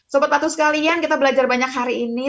supet patuh sekalian kita belajar banyak hari ini